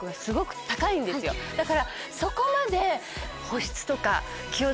だからそこまで。